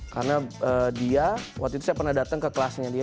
karena dia waktu itu saya pernah datang ke kelasnya dia